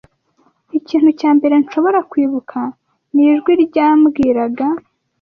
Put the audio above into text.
Ikintu cya mbere nshobora kwibuka ni ijwi ryambwiraga